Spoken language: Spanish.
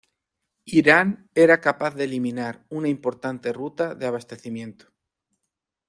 Irán era capaz de eliminar una importante ruta de abastecimiento.